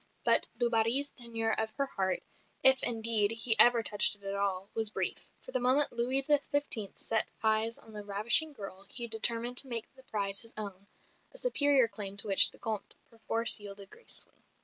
But du Barry's tenure of her heart, if indeed he ever touched it at all, was brief; for the moment Louis XV. set eyes on the ravishing girl he determined to make the prize his own, a superior claim to which the Comte perforce yielded gracefully.